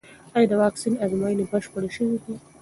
ایا د واکسین ازموینې بشپړې شوې دي؟